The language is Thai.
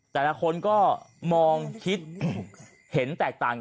แต่ละคนก็มองคิดเห็นแตกต่างกัน